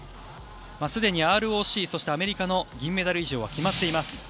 すでにＲＯＣそしてアメリカの銀メダル以上は決まっています。